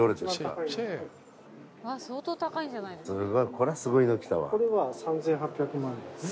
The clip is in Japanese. これは３，８００万ですね。